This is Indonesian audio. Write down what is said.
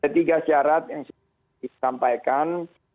tiga syarat yang sudah disampaikan